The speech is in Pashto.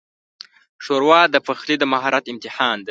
ښوروا د پخلي د مهارت امتحان ده.